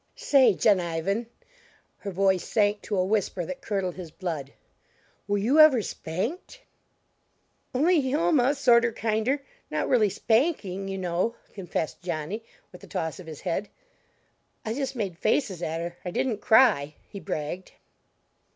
"Say, Jo'nivan," her voice sank to a whisper that curdled his blood "were you ever spanked?" "Only Hilma sorter kinder not really spanking, you know," confessed Johnny with a toss of his head. "I just made faces at her; I didn't cry!" he bragged.